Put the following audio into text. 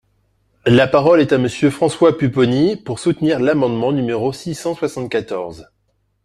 La parole est à Monsieur François Pupponi, pour soutenir l’amendement numéro six cent soixante-quatorze.